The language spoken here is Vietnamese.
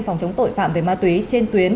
phòng chống tội phạm về ma túy trên tuyến